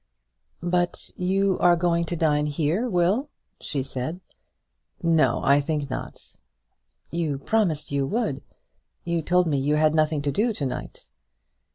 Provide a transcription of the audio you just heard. "But you are going to dine here, Will?" she said. "No; I think not." "You promised you would. You told me you had nothing to do to night."